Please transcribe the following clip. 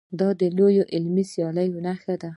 دا د لوړې علمي سیالۍ نښه ده.